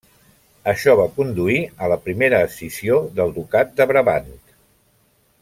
Això va conduir a la primera escissió del ducat de Brabant.